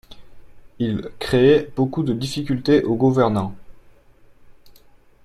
Il crée beaucoup de difficultés aux gouvernants.